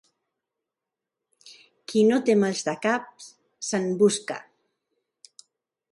Qui no té maldecaps, se'n busca.